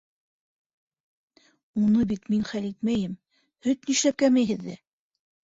Уны бит мин хәл итмәйем... һөт нишләп кәмей һеҙҙә?